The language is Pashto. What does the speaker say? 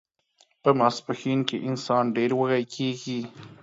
په ماسپښین کې انسان ډیر وږی کیږي